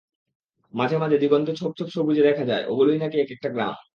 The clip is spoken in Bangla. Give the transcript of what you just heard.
মাঝে মাঝে দিগন্তে ছোপ ছোপ সবুজ দেখা যায়, ওগুলোই নাকি এক–একটা গ্রাম।